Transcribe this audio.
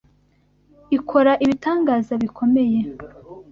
Ikora ibitangaza bikomeye.